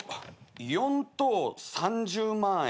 「４等３０万円」